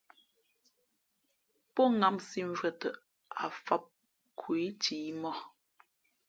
Pó ŋǎmsī mvʉ̄ᾱ tαʼ, ǎ fǒp khu ǐ cǐmōh.